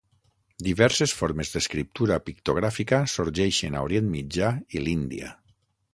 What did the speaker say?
Diverses formes d'escriptura pictogràfica sorgeixen a Orient Mitjà i l'Índia.